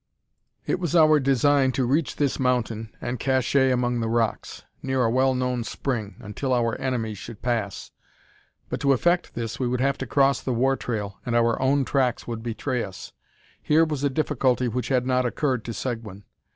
It was our design to reach this mountain, and "cacher" among the rocks, near a well known spring, until our enemies should pass; but to effect this we would have to cross the war trail, and our own tracks would betray us. Here was a difficulty which had not occurred to Seguin.